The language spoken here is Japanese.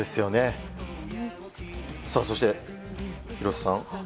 そして、廣瀬さん